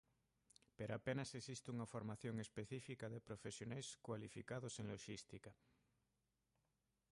Pero apenas existe unha formación específica de profesionais cualificados en loxística.